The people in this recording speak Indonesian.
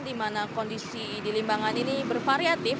dimana kondisi di limbangan ini bervariatif